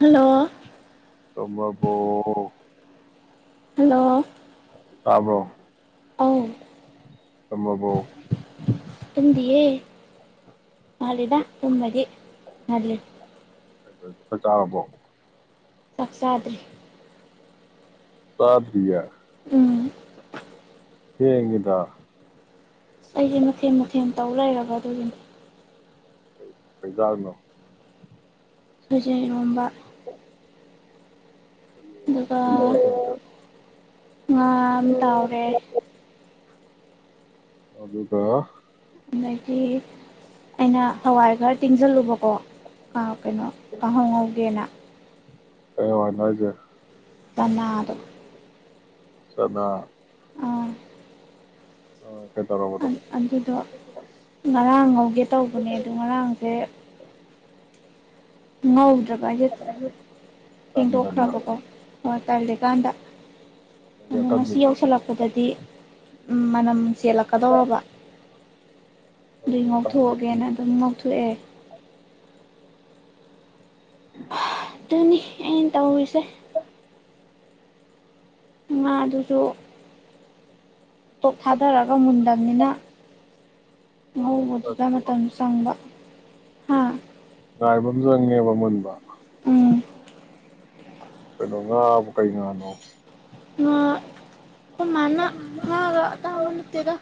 hello ꯇꯨꯝꯃꯕꯣ hello ꯇꯥꯕ꯭ꯔꯣ ꯑꯧ ꯇꯨꯝꯃꯕꯣ ꯇꯨꯝꯗꯤꯌꯦ ꯉꯥꯜꯂꯤꯗ ꯇꯨꯝꯕꯩꯗꯤ ꯉꯜꯂꯤ ꯆꯥꯛ ꯆꯥꯔꯕꯣ ꯆꯥꯛ ꯆꯥꯗ꯭ꯔꯤ ꯆꯥꯗꯔꯤꯌꯦ ꯎꯝ ꯊꯦꯡꯢꯗ ꯑꯩꯁꯦ ꯃꯊꯦꯜ ꯃꯊꯦꯜ ꯇꯧ ꯂꯩꯔꯕ ꯑꯗꯨꯒꯤꯅꯤ ꯀꯩ ꯖꯥꯡꯅꯣ ꯁꯥꯏꯖꯤꯟ ꯏꯔꯣꯝꯕ ꯑꯗꯨꯒ ꯉꯥꯃ ꯇꯥꯎꯔꯦ ꯑꯗꯨꯒ ꯑꯗꯒꯤ ꯑꯩꯅ ꯍꯋꯥꯏ ꯈꯔ ꯇꯤꯡꯖꯜꯂꯨꯕꯀꯣ ꯑꯥ ꯀꯩꯅꯣ ꯀꯥꯡꯍꯧ ꯉꯧꯒꯦꯅ ꯀꯩ ꯋꯥꯅꯣ ꯍꯥꯏꯖꯦ ꯇꯥꯟꯅꯗꯣ ꯆꯥꯅ ꯑꯥ ꯑ ꯀꯩꯇꯧꯔꯕ ꯗꯣ ꯑꯗꯨꯗꯣ ꯉꯔꯥꯡ ꯉꯧꯒꯦ ꯇꯧꯕꯅꯦ ꯑꯗꯨꯗ ꯉꯔꯥꯡꯖꯦ ꯉꯧꯗ꯭ꯔꯕ ꯑꯩꯗꯣ ꯇꯟꯗꯅ ꯊꯦꯡꯗꯣꯛꯈ꯭ꯔꯕꯗꯣ ꯍꯣꯏ ꯇꯜꯂꯦ ꯀꯥꯟꯗ ꯅꯪꯒꯤ ꯑꯗꯣ ꯉꯁꯤ ꯑꯇꯟꯕꯤꯗꯣ ꯌꯧꯁꯜꯂꯛꯄꯗꯗꯤ ꯎꯝ ꯃꯅꯝ ꯆꯦꯜꯂꯛꯀꯗꯧꯔꯕ ꯑꯗꯨꯏ ꯍꯣꯏꯅꯦ ꯇꯜꯂꯦ ꯉꯧꯊꯣꯛꯑꯒꯦꯅ ꯑꯗꯨꯝ ꯉꯧꯊꯣꯛꯑꯦ ꯍꯥ ꯇꯅꯤ ꯑꯩꯅ ꯇꯧꯔꯤꯁꯦ ꯉꯥ ꯑꯗꯨꯁꯨ ꯄꯣꯞ ꯊꯥꯗꯔꯒ ꯃꯨꯟꯗꯕꯅꯤꯅ ꯉꯥꯏꯕ ꯉꯧꯕꯗꯨꯗ ꯃꯇꯝ ꯆꯪꯕ ꯍꯥꯥ ꯉꯥꯏꯕ ꯑꯃ ꯆꯪꯉꯦꯕ ꯃꯨꯟꯕ ꯎꯝ ꯀꯩꯅꯩꯅꯣ ꯉꯥꯕꯨ ꯀꯩ ꯉꯥꯅꯣ ꯉꯥ ꯑꯈꯣꯏ ꯃꯅꯥ ꯐꯔꯥ ꯑꯇꯥꯡꯕ ꯅꯠꯇꯦꯗ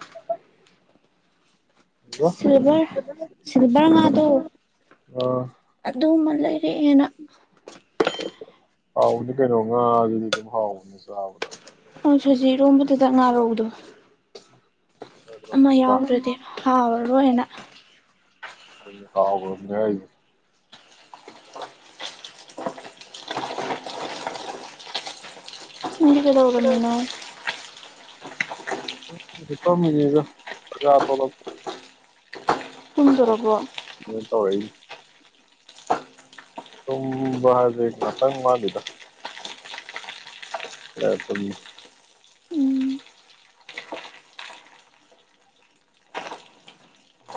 ꯏꯃꯥ ꯁꯤꯜꯚꯔ ꯁꯤꯜꯚꯔ ꯉꯥꯗꯣ ꯑ ꯑꯗꯨꯃ ꯂꯩꯔꯛꯑꯦꯅ ꯍꯥꯎꯕꯅꯤ ꯀꯩꯅꯣ ꯉꯥꯑꯗꯨꯗꯤ ꯑꯗꯨꯝ ꯍꯥꯎꯕꯅꯦ ꯆꯥꯕꯗ ꯑꯪ ꯁꯣꯏꯖꯤꯔꯣꯝꯕꯗꯨꯗ ꯉꯥꯔꯧꯗꯣ ꯑꯃ ꯆꯥꯅꯈ꯭ꯔꯕꯅꯤꯗ ꯌꯥꯎꯗ꯭ꯔꯗꯤ ꯍꯥꯥꯎ [unintelligible] ꯀꯥꯎꯕꯃꯦ ꯍꯥꯏꯖꯦ ꯅꯪꯗꯤ ꯀꯩꯗꯧꯔꯝꯃꯤꯅꯣ ꯍꯤꯞꯄꯝꯃꯤꯅꯤꯗ ꯆꯥꯛꯆ ꯇꯣꯛꯂꯛ ꯇꯨꯝꯗꯣꯔꯕꯣ [unintelligible] ꯇꯨꯝꯕ ꯍꯥꯏꯁꯦ ꯉꯥꯛꯇꯪ ꯋꯠꯂꯤꯗ [unintelligible] ꯎꯝ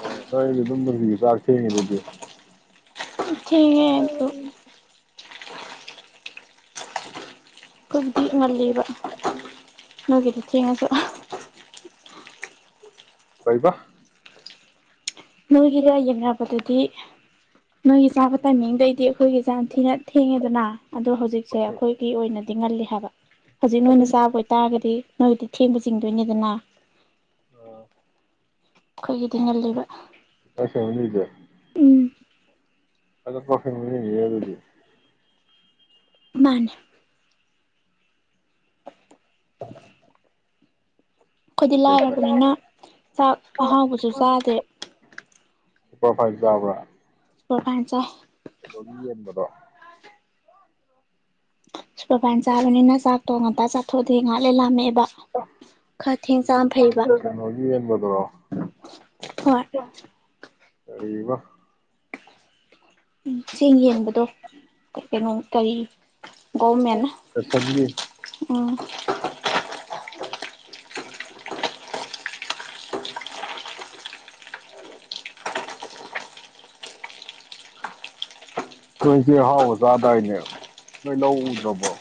ꯑꯥ ꯅꯪꯗꯤ ꯗꯨꯝ ꯅꯨꯡꯇꯤꯒꯤ ꯆꯥꯛ ꯊꯦꯡꯉꯤꯗꯨꯗꯤ ꯊꯦꯡꯉꯦ ꯉꯜꯂꯤꯕ ꯅꯣꯏꯒꯤꯗꯤ ꯊꯦꯡꯉꯁꯨ ꯀꯩꯕ ꯅꯣꯏꯒꯤꯒ ꯌꯦꯡꯅꯕꯗꯨ ꯗꯤ ꯅꯣꯏꯒꯤ ꯆꯥꯕ ꯇꯥꯏꯃꯤꯡꯗꯩꯗꯤ ꯑꯩꯈꯣꯏꯒꯤ ꯌꯥꯝ ꯊꯤꯅ ꯊꯦꯡꯉꯦꯗꯅ ꯑꯗꯣ ꯍꯧꯖꯤꯛꯁꯦ ꯑꯩꯈꯣꯏꯒꯤ ꯑꯣꯏꯅ ꯗꯤ ꯉꯜꯂꯤ ꯍꯥꯏꯕ ꯍꯧꯖꯤꯛ ꯅꯣꯏꯅ ꯆꯥꯕ ꯑꯣꯏꯇꯥꯔꯒꯗꯤ ꯅꯣꯏꯗꯤ ꯊꯦꯡꯕ ꯆꯤꯡꯗꯣꯏꯅꯤꯗꯅ ꯑꯣ ꯑꯩꯈꯣꯏꯒꯤꯗꯤ ꯉꯜꯂꯤꯕ ꯎꯝ [unintelligible] [unintelligible] ꯃꯥꯅꯦ [unintelligible] ꯑꯩꯈꯣꯏꯗꯤ ꯐꯩ ꯐꯩ ꯐꯩ ꯂꯥꯏꯔꯕꯅꯤꯅ ꯆꯥꯛ ꯑꯍꯥꯎꯕꯖꯨ ꯆꯥꯗꯦ ꯁꯨꯄꯔ ꯐꯥꯏꯟ ꯆꯥꯕ꯭ꯔꯥ ꯁꯨꯄꯔ ꯐꯥꯏꯟ ꯆꯥꯏ ꯀꯩꯅꯣꯒꯤ ꯌꯦꯟꯕꯗꯣ ꯁꯨꯄꯔꯐꯥꯏꯟ ꯆꯥꯕꯅꯤꯅ ꯆꯥꯛ ꯇꯣ ꯉꯟꯇ ꯆꯥꯛꯊꯣꯛꯑꯗꯤ ꯉꯍꯥꯛ ꯂꯩꯔ ꯂꯥꯝꯃꯛꯑꯦ ꯕ ꯈꯔ ꯊꯦꯡ ꯆꯥꯕꯅ ꯐꯩꯌꯦꯕ ꯀꯩꯅꯣꯒꯤ ꯌꯦꯟꯕꯗꯨꯔꯣ ꯍꯣꯏ ꯀꯔꯤꯕ ꯎꯝ ꯆꯦꯡꯌꯦꯟꯕꯗ ꯑꯦ ꯀꯩ ꯀꯦꯅꯣ ꯀꯔꯤ ꯒꯣꯔꯃꯦꯟꯅ [unintelligible] ꯎꯝ ꯅꯣꯏꯁꯦꯡ ꯑꯍꯥꯎꯕ ꯆꯥꯗꯥꯏꯅꯦ ꯅꯣꯏ ꯂꯧ ꯎꯗ꯭ꯔꯕꯣ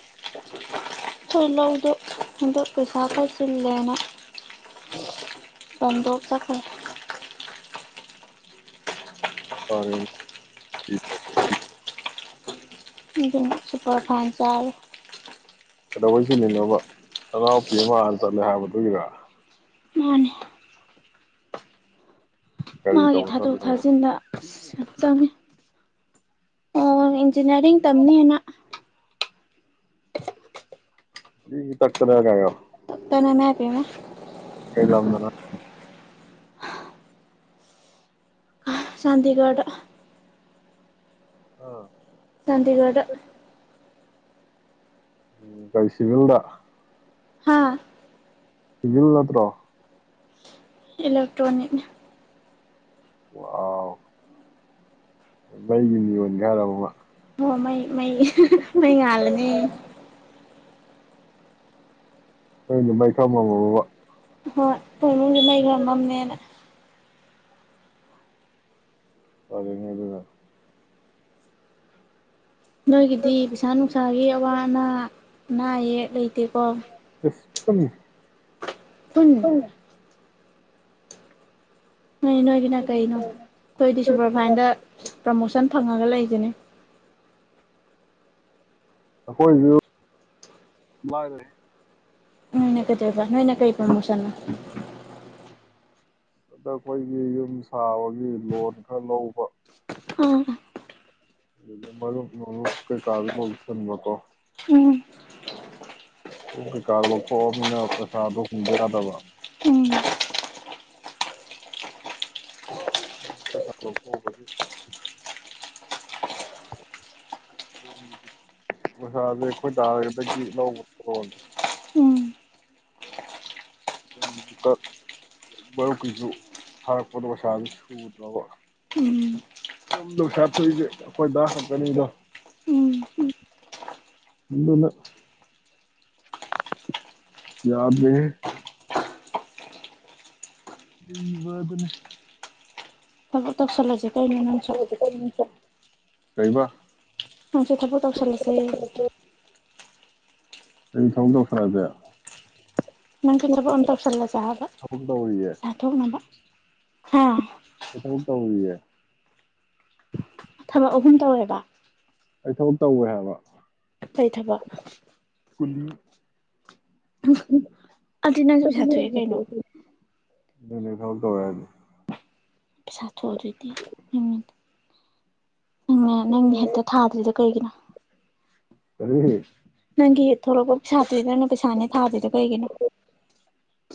ꯈꯣꯏ ꯂꯧꯗꯨ ꯍꯟꯗꯛ ꯄꯩꯁꯥ ꯈꯔ ꯆꯤꯜꯂꯦꯅ ꯕꯟꯗꯣꯞ ꯆꯠꯈ꯭ꯔꯦ ꯐꯔꯦꯅꯦ ꯁꯨꯄꯔ ꯐꯥꯏꯟ ꯆꯥꯌꯦ ꯀꯩꯗꯧꯕꯩ ꯁꯤꯜꯂꯤꯅꯣꯕ ꯅꯅꯥꯎꯄꯤ ꯑꯃ ꯍꯥꯟꯅ ꯆꯠꯂꯦ ꯍꯥꯏꯕ ꯗꯨꯒꯤꯔ ꯃꯥꯅꯦ ꯀꯔꯤ ꯃꯥꯒꯤ ꯇꯧꯕ ꯊꯥꯗꯣꯛ ꯆꯠꯂꯤꯅꯣꯕ ꯊꯥꯖꯤꯟꯗ ꯑꯁ ꯌꯥꯝ ꯆꯪꯉꯦ [unintelligible] ꯏꯟꯖꯅꯤꯌꯥꯔꯤꯡ ꯇꯝꯅꯤꯅ ꯒ꯭ꯔꯤ ꯒ꯭ꯔꯤ ꯇꯛꯇꯅ ꯒ ꯒꯥꯏꯌꯣ ꯗꯨꯅ ꯏꯃꯥꯏꯄꯦꯝꯃ ꯀꯩ ꯂꯝꯗꯅꯣ ꯆꯥꯟꯗꯤꯒꯔꯗ ꯑꯥ ꯆꯥꯟꯗꯤꯒꯔꯗꯥ ꯎꯝ ꯀꯩ ꯁꯤꯚꯤꯜꯗ ꯍꯥꯥ ꯁꯤꯚꯤꯜ ꯅꯠꯇ꯭ꯔꯣ ꯏꯂꯣꯇ꯭ꯔꯣꯅꯤꯛꯅꯦ ꯋꯥꯎ ꯕꯩꯒꯤ ꯌꯨ ꯌꯣꯟꯒꯦ ꯍꯥꯏꯔꯕꯨꯕ ꯍꯣꯃꯩ ꯃꯩ ꯃꯩ ꯉꯥꯜꯂꯅꯤ ꯑꯩꯅ ꯃꯩ ꯈꯞ ꯉꯝꯃꯣꯕꯣꯕ ꯍꯣꯏ ꯈꯣꯏꯃꯨꯡꯗꯤ ꯃꯩ ꯈ ꯃꯝꯃꯦꯅ ꯐꯔꯦꯅꯦ ꯑꯗꯨꯒ ꯅꯣꯏꯒꯤꯗꯤ ꯄꯩꯁꯥ ꯅꯨꯡꯁꯥꯒꯤ ꯑꯋꯥ ꯑꯅꯥ ꯅꯥꯑꯌꯦ ꯂꯩ ꯇꯦꯀꯣ [inaudible] ꯄꯨꯟ ꯅꯣꯏ ꯅꯣꯏꯒꯤꯅ ꯀꯩꯅꯣ ꯅꯣꯏꯗꯤ ꯁꯨꯄꯔꯚꯐꯥ꯭ꯏꯟꯗ ꯄ꯭ꯔꯃꯣꯁꯟ ꯐꯪꯉꯒ ꯂꯩꯖꯤꯅꯦ ꯑꯩꯈꯣꯏꯁꯨ ꯂꯥꯏꯔꯦ ꯅꯣꯏꯅ ꯀꯩꯗꯩꯕ ꯅꯣꯏꯅ ꯀꯩ ꯄ꯭ꯔꯃꯣꯁꯟꯅꯣ ꯑꯗ ꯑꯩꯈꯣꯏꯒꯤ ꯌꯨꯝ ꯁꯥꯕꯒꯤ ꯂꯣꯟ ꯈꯔ ꯂꯧꯕ ꯑꯥ ꯃꯔꯨꯞ ꯅꯨꯡꯔꯨꯞ ꯀꯩꯀꯁꯨ ꯇꯧꯁꯟꯕꯀꯣ ꯎꯝ ꯑꯣ ꯀꯩꯀꯥ ꯂꯣꯊꯣꯛꯑꯝꯅꯤꯅ ꯄꯩꯁꯥꯗꯨꯨ ꯎꯗꯌꯥꯗꯕ [inaudible] ꯃꯁꯥꯥꯁꯦ ꯑꯩꯈꯣꯏꯗꯥꯗꯒꯤ ꯂꯧꯕ ꯈꯨꯂꯣ ꯎꯝ ꯃꯔꯨꯞꯀꯤꯁꯨ ꯐꯥꯔꯛꯄꯗ ꯄꯩꯁꯥꯥꯁ ꯁꯨꯗ꯭ꯔꯕ ꯎꯝ ꯌꯨꯝ ꯂꯧꯁꯥ ꯊꯣꯛꯏꯁꯦ ꯑꯩꯈꯣꯏꯗꯥ ꯈꯛꯀꯅꯤꯗꯣ ꯎꯝ ꯑꯗꯨꯅ ꯌꯥꯗ꯭ꯔꯦꯍꯦ ꯇꯤꯕꯗꯨꯅꯦ [unintelligible] ꯇꯧꯁꯜꯂꯁꯦ ꯀꯩꯅꯣ ꯅꯪꯁꯨ ꯀꯩꯕ ꯅꯪꯁꯨ ꯊꯕꯛ ꯇꯧꯁꯜꯂꯁꯦ ꯑꯩ ꯊꯥꯕꯛ ꯇꯧꯁꯜꯂꯛꯑꯒꯦ ꯅꯪꯁꯨ ꯊꯕꯛ ꯑꯝ ꯇꯧꯁꯜꯂꯁꯦ ꯍꯥꯏꯕ ꯊꯕꯛ ꯇꯧꯔꯤꯌꯦ ꯄꯩꯁꯥ ꯊꯣꯛꯅꯕ ꯍꯥꯥ ꯑꯩ ꯊꯕꯛ ꯇꯧꯔꯨꯏꯌꯦ ꯊꯕꯛ ꯑꯍꯨꯝ ꯇꯧꯋꯦꯕ ꯑꯩ ꯊꯕꯛ ꯇꯧꯔꯦ ꯍꯥꯏꯕ ꯀꯩ ꯊꯕꯛ [unintelligible] [inaudible] ꯑꯗꯨꯗꯤ ꯅꯪꯁꯨ ꯄꯩꯁꯥ ꯊꯣꯛꯑꯦ ꯀꯩꯅꯣ ꯅꯣꯢ ꯅꯦ ꯊꯕꯛ ꯇꯧꯔꯦ ꯍꯥꯏꯗꯨꯗꯤ ꯄꯩꯁꯥ ꯊꯣꯛꯑꯗꯨꯗꯤ ꯅꯪꯅ ꯅꯪꯒꯤ ꯍꯟꯇꯛ ꯊꯥꯗ꯭ꯔꯤꯗꯣ ꯀꯩꯒꯤꯅꯣ ꯀꯔꯤ ꯅꯪꯒꯤ ꯊꯣꯛꯂꯛꯄ ꯄꯩꯁꯥꯗꯨꯗꯤ ꯅꯪꯅ ꯄꯩꯁꯥꯅꯦ ꯊꯥꯗ꯭ꯔꯤꯗꯣ ꯀꯩꯒꯤꯅꯣ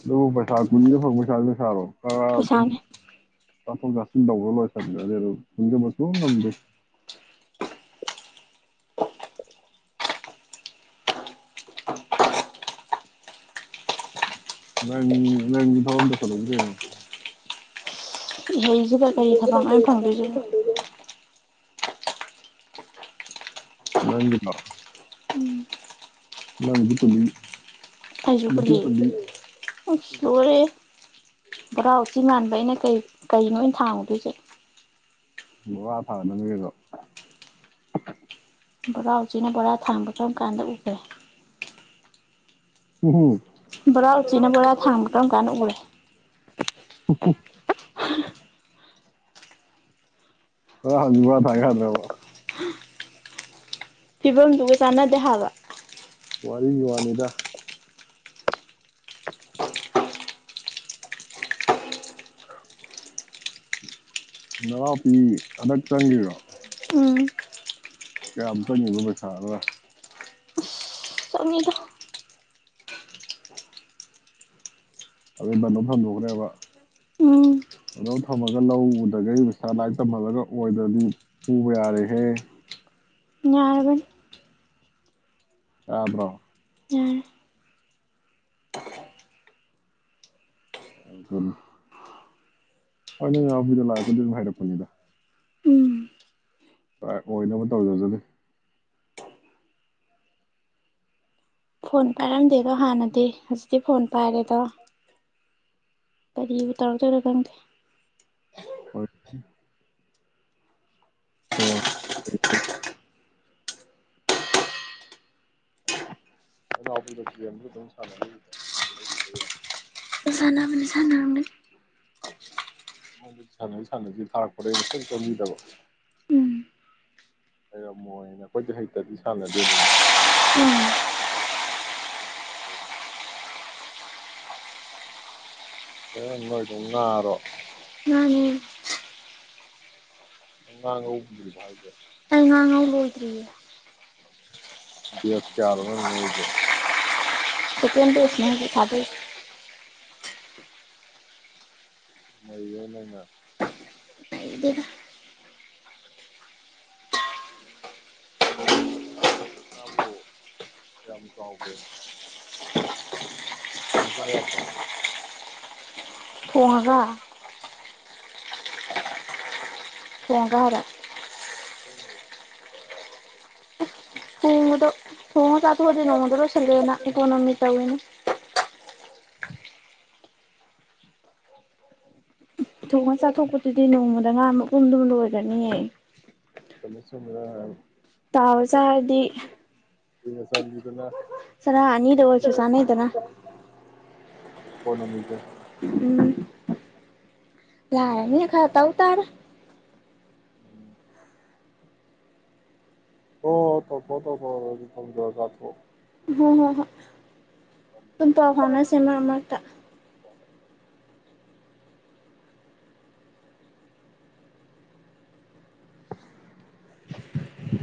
ꯅꯪꯕꯨ ꯄꯩꯁꯥ ꯀꯨꯂꯤꯅ ꯐꯪꯕ ꯄꯩꯁꯥꯕꯨ ꯄꯩꯁꯥꯥꯔꯣ ꯄꯩꯁꯥꯅꯦ ꯀꯥꯞꯊꯣꯛ ꯀꯥꯞꯁꯤꯟ ꯇꯩꯕꯗ ꯂꯣꯏꯁꯤꯟꯒ꯭ꯔꯅꯤ ꯑꯗꯨꯝ ꯇꯨꯟꯖꯟꯕ ꯁꯨꯉꯝ ꯉꯝꯗꯦ ꯅꯪ ꯅꯪ ꯊꯕꯛ ꯑꯃ ꯇꯧꯁꯜꯂꯁꯤ ꯀꯩꯅꯣ ꯏꯍꯩꯁꯤꯒ ꯀꯔꯤ ꯊꯕꯛ ꯅꯣ ꯑꯩꯅ ꯐꯪꯗꯣꯏꯁꯤ ꯅꯪꯒꯤꯔꯣ ꯅꯪꯗꯤ ꯀꯨꯂꯤ ꯐꯩꯁꯨ ꯅꯨꯄꯤ ꯀꯨꯂꯤ ꯀꯨꯜꯂꯤ ꯑꯁ ꯂꯣꯢꯔꯦꯍꯦ ꯕꯣꯔꯥ ꯎꯆꯤ ꯃꯥꯟꯕ ꯑꯩꯅ ꯀꯩ ꯀꯩꯅꯣ ꯊꯥꯡꯉꯨꯗꯣꯏꯁꯦ ꯅꯨꯔ ꯊꯥꯡꯅꯕꯅꯤ ꯀꯩꯅꯣ ꯕꯣꯔꯥ ꯎꯆꯤꯅ ꯕꯣꯔꯥ ꯊꯥꯡꯕ ꯀꯝ ꯀꯥꯟꯗ ꯎꯒ꯭ꯔꯦ ꯎꯝꯝ ꯕꯣꯔꯥ ꯎꯆꯤꯅ ꯕꯣꯔꯥ ꯊꯥꯡꯕ ꯀꯔꯝ ꯀꯥꯟ ꯎꯔꯦ ꯎ ꯎ [unintelligible] ꯐꯤꯕꯝꯗꯨꯒ ꯆꯥꯟꯅꯗꯦ ꯍꯥꯏꯕ ꯋꯥꯔꯤꯒꯤ ꯋꯥꯅꯤꯗ [inaudible] ꯅꯅꯥꯎꯄꯤ ꯍꯟꯗꯛ ꯆꯪꯒꯤꯕ꯭ꯔꯣ ꯎꯝ ꯀꯌꯥꯝ ꯆꯪꯉꯤꯕ ꯄꯩꯁꯥꯔꯥ ꯆꯪꯉꯤꯗ ꯑꯗꯩ ꯕꯟꯗꯣꯞ ꯊꯝꯗꯣꯛꯈ꯭ꯔꯦꯕ ꯎꯝ ꯕꯟꯗꯣꯞ ꯊꯝꯃꯒ ꯂꯧ ꯎꯗꯒꯩ ꯄꯩꯁꯥ ꯂꯥꯏꯔꯤꯛ ꯇꯝꯍꯜꯂꯒ ꯑꯣꯏꯗ꯭ꯔꯗꯤ ꯐꯨꯕ ꯌꯥꯔꯦꯍꯦ ꯌꯥꯔꯕꯅꯤ ꯇꯕ꯭ꯔꯣ ꯌꯥꯔꯦ [unintelligible] ꯍꯣꯏ ꯅꯣꯏ ꯅꯅꯥꯎꯄꯤꯗꯣ ꯂꯥꯏꯔꯤꯛꯄꯨꯗꯤ ꯑꯗꯨꯝ ꯍꯥꯏꯔꯛꯄꯅꯤꯗ ꯎꯝ ꯑꯣꯏꯅꯕ ꯇꯧꯖꯖꯅꯤ ꯐꯣꯟ ꯄꯥꯏꯔꯝꯗꯦꯗꯣ ꯍꯥꯟꯅꯗꯤ ꯁꯤ ꯐꯣꯟ ꯄꯥꯏꯔꯦꯗꯣ ꯀꯔꯤ ꯇꯧꯔꯛꯇꯣꯢꯔ ꯈꯪꯗꯦ ꯑꯣꯏ ꯑꯣ ꯐꯩ ꯐꯩ [unintelligible] ꯁꯥꯟꯅꯕꯅꯤ ꯁꯥꯟꯅꯕꯅꯤ [inaudible] ꯑꯩꯉꯣꯟꯗ ꯁꯥꯟꯅꯩ ꯁꯥꯟꯅꯁꯤ ꯊꯥꯔꯛꯄꯗ ꯑꯩꯅ ꯁꯨꯛꯆꯪ ꯆꯪꯕꯤꯗꯕ ꯎꯝ ꯍꯩꯔꯝꯃꯣꯏꯅ ꯑꯩꯈꯣꯏꯗꯤ ꯍꯩꯇꯗꯤ ꯁꯥꯟꯅꯗꯦꯗꯅ ꯑꯦ ꯅꯣꯢꯗꯨ ꯉꯥꯔꯣ ꯃꯥꯅꯦ ꯉꯥ ꯉꯧꯗ꯭ꯔꯤꯕꯣ ꯍꯥꯢꯁꯦ ꯑꯩ ꯉꯥ ꯉꯧ ꯂꯣꯏꯗ꯭ꯔꯤꯌꯦ ꯕꯦꯁ ꯀꯌꯥꯅꯣ ꯅꯪ ꯉꯧꯔꯤꯖꯧ ꯁꯦꯀꯦꯟ ꯕꯦꯁꯅꯦ ꯍꯧꯖꯤꯛ ꯊꯥꯗꯩꯁꯦ ꯅꯩꯔꯦ ꯅꯪ ꯅ ꯍꯩꯗꯦꯗ ꯉꯥꯕꯣ ꯀꯌꯥꯝ ꯆꯥꯎꯒꯦ ꯊꯣꯡ ꯆꯥ ꯌꯥꯕ꯭ꯔꯣ ꯊꯣꯡꯉꯒ [inaudible] ꯊꯣꯡꯉꯒ ꯍꯥꯏꯔꯣ [inaudible] ꯊꯣꯡꯕꯗꯣ ꯊꯣꯉꯥ ꯆꯥ ꯊꯣꯛꯖꯦ ꯅꯣꯡꯃꯗ ꯂꯣꯏꯁꯜꯂꯦꯅ ꯏꯀꯣꯅꯣꯃꯤ ꯇꯧꯋꯦꯅꯤ ꯊꯣꯡ ꯉꯥ ꯆꯥ ꯊꯣꯛꯄꯗꯨꯗꯤ ꯅꯣꯡꯃꯗ ꯉꯥꯃꯨꯛ ꯄꯨꯡꯗꯨꯃ ꯂꯣꯏꯒ꯭ꯔꯅꯤꯌꯦ ꯆꯨꯝꯃꯦ ꯆꯨꯝꯃꯦ [unintelligible] ꯇꯥꯎꯔ ꯆꯥꯔꯗꯤ ꯕꯤꯅ ꯆꯥꯟꯕꯤꯗꯨꯅ ꯆꯔꯥ ꯑꯅꯤꯗ ꯑꯣꯏꯔꯁꯨ ꯆꯅꯩꯗꯅ ꯏꯀꯣꯅꯣꯃꯤꯁꯦ ꯂꯥꯏꯔꯝꯅꯤꯅ ꯈꯔ ꯇꯧꯇꯥꯔꯦ [inaudible] ꯑꯣ ꯇꯧꯊꯣꯛ ꯇꯧꯊꯣꯛꯑꯣ [unintelligible] ꯍꯣꯏ ꯍꯣꯏ ꯍꯣꯏ ꯊꯝꯃꯒꯦ ꯑꯗꯨꯝ ꯄꯥꯎ ꯐꯥꯎꯅꯁꯦ ꯊꯝꯃꯒꯦ ꯃꯔꯛ ꯃꯔꯛꯇ [inaudible]